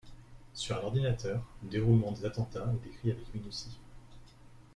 Sur un ordinateur, le déroulement des attentats est décrit avec minutie.